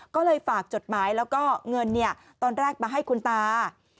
ก็เลยฝากจดหมายแล้วก็เงินตอนแรกมาให้คุณตา